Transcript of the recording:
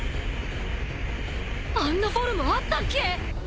あんなフォルムあったっけ！？